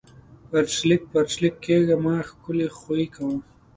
پَرچېلک پَرچېلک کېږه مه! ښکلے خوئې کوه۔